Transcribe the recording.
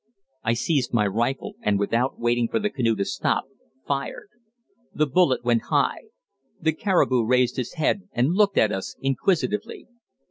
I seized my rifle, and, without waiting for the canoe to stop, fired. The bullet went high. The caribou raised his head and looked at us inquisitively.